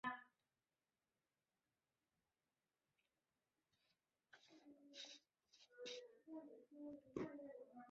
最后阿星也如愿见到赌神高进。